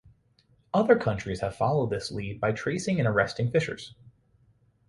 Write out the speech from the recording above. Other countries have followed this lead by tracing and arresting phishers.